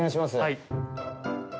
はい。